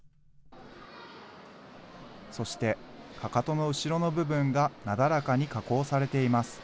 そして、かかとの後ろの部分がなだらかに加工されています。